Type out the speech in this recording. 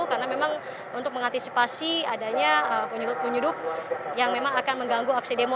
karena memang untuk mengantisipasi adanya penyudup penyudup yang memang akan mengganggu aksi demo